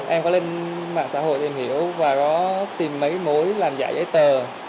em có lên mạng xã hội tìm hiểu và có tìm mấy mối làm giả giấy tờ